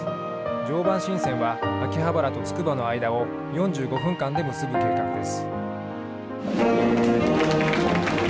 常磐新線は秋葉原とつくばの間を４５分間で結ぶ計画です。